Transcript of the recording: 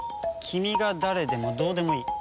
君が誰でもどうでもいい。